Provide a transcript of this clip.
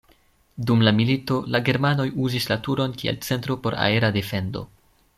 Dum la milito la germanoj uzis la turon kiel centro por aera defendo.